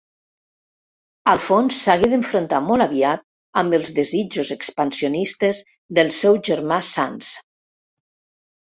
Alfons s'hagué d'enfrontar molt aviat amb els desitjos expansionistes del seu germà Sanç.